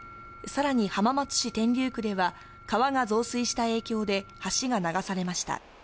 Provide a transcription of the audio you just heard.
さらに浜松市天竜区では、川が増水した影響で橋が流されました。